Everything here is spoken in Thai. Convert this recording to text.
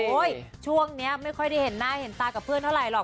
ช่วงนี้ไม่ค่อยได้เห็นหน้าเห็นตากับเพื่อนเท่าไหรหรอก